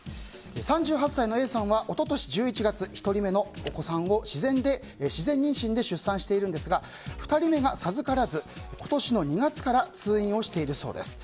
３８歳のＡさんは一昨年１１月１人目のお子さんを自然妊娠で出産しているんですが２人目が授からず今年の２月から通院をしているそうです。